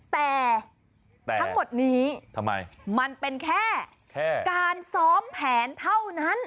แต่ทั้งหมดนี้ทำไมมันเป็นแค่การซ้อมแผนเท่านั้น